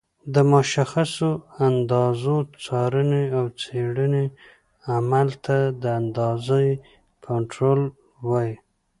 د مشخصو اندازو څارنې او څېړنې عمل ته د اندازې کنټرول وایي.